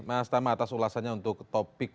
mas tama atas ulasannya untuk topik